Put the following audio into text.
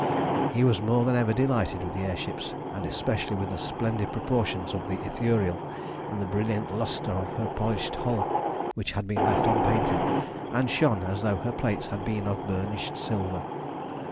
He was more than ever delighted with the air ships, and especially with the splendid proportions of the Ithuriel, and the brilliant lustre of her polished hull, which had been left unpainted, and shone as though her plates had been of burnished silver.